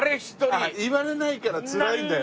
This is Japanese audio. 言われないからつらいんだよね。